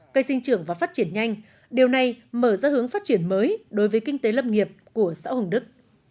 cây sinh trưởng và phát triển nhanh điều này mở ra hướng phát triển mới đối với kinh tế lâm nghiệp của xã hồng đức